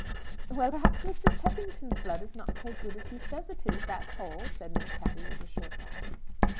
"Well, perhaps Mr. Cheffington's blood is not so good as he says it is; that's all," said Miss Patty, with a short laugh.